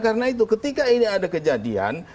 karena itu ketika ini ada kejadian